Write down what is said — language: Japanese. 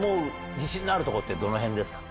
自信のあるとこってどの辺ですか？